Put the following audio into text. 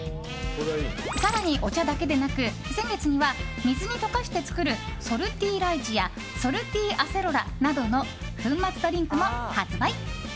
更に、お茶だけでなく先月には水に溶かして作るソルティライチやソルティアセロラなどの粉末ドリンクも発売。